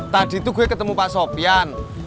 tadi tuh gue ketemu pak sopyan